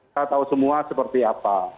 kita tahu semua seperti apa